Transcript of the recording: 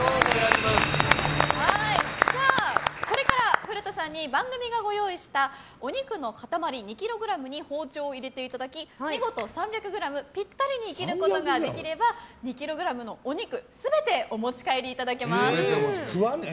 これから古田さんに番組がご用意したお肉の塊２ｋｇに包丁を入れていただき見事３００ｇピッタリに切ることができれば２ｋｇのお肉全てお持ち帰りいただけます。